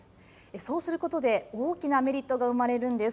そうすることで大きなメリットが生まれるんです。